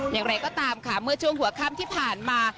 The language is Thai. อย่างไรก็ตามค่ะเมื่อช่วงหัวค่ำที่ผ่านมา